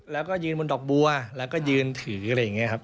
แล้วก็ยืนบนดอกบัวแล้วก็ยืนถืออะไรอย่างนี้ครับ